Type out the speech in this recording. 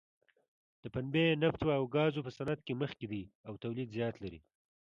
د پنبې، نفتو او ګازو په صنعت کې مخکې دی او تولید زیات لري.